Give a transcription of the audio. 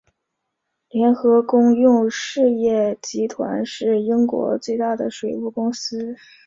联合公用事业集团是英国最大的水务公司。